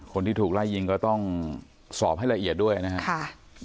คนที่ถูกไล่ยิงก็ต้องสอบให้ละเอียดด้วยนะครับ